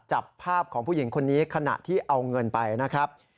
จับภาพของผู้หญิงคนนี้ขณะที่เอาเงินไปนะครับ